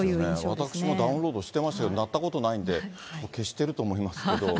私もダウンロードしてましたけど、鳴ったことないんで、消してると思いますけど。